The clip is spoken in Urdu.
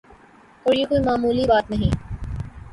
اور یہ کوئی معمولی بات نہیں۔